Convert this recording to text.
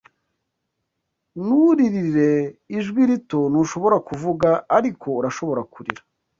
nturirire, ijwi rito, ntushobora kuvuga, ariko urashobora kurira